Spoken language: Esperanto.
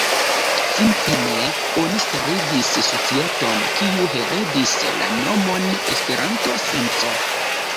Fin-fine oni starigis Societon kiu heredis la nomon E-Senco.